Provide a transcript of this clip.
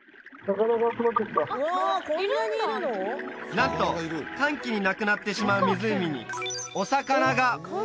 なんと乾季になくなってしまう湖にお魚が！